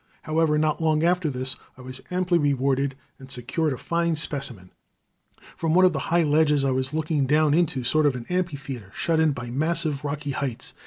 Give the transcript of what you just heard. However, not long after this I was amply rewarded, and secured a fine specimen. From one of the high ledges I was looking down into a sort of amphitheater shut in by massive rocky heights.